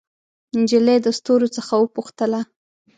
نجلۍ د ستورو څخه وپوښتله